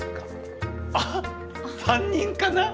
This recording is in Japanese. あっ３人かな？